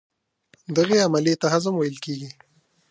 دغې عملیې ته هضم ویل کېږي.